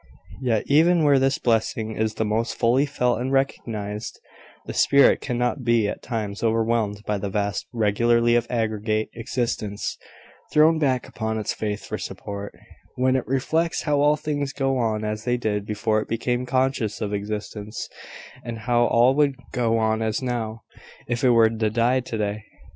Yet even where this blessing is the most fully felt and recognised, the spirit cannot but be at times overwhelmed by the vast regularity of aggregate existence, thrown back upon its faith for support, when it reflects how all things go on as they did before it became conscious of existence, and how all would go on as now, if it were to die to day.